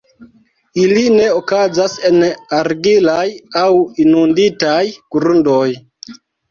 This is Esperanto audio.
Ili ne okazas en argilaj aŭ inunditaj grundoj.